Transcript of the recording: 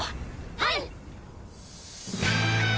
はい！